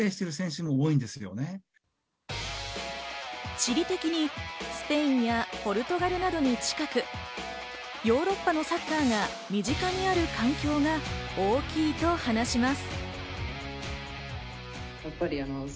地理的にスペインやポルトガルなどに近く、ヨーロッパのサッカーが身近にある環境が大きいと話します。